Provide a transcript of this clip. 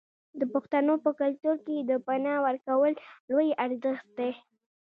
د پښتنو په کلتور کې د پنا ورکول لوی ارزښت دی.